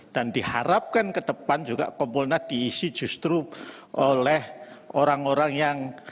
dan diharapkan ke depan juga kompolnas diisi justru oleh orang orang yang